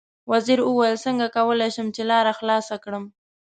وزیر وویل: څنګه کولای شم چې لاره خلاصه کړم.